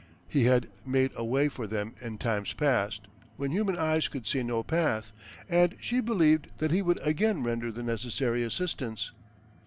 He had made a way for them in times past, when human eyes could see no path, and she believed that He would again render the necessary assistance.